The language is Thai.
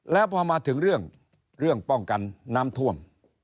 แล้วพอมาถึงเรื่องเรื่องป้องกันน้ำท่วม